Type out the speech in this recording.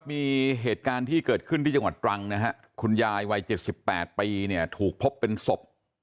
มีเหตุการณ์ที่เกิดขึ้นที่จังหวัดตรังนะฮะคุณยายวัย๗๘ปีเนี่ยถูกพบเป็นศพ